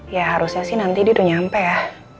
ya harusnya sih nanti dia udah nyampe ya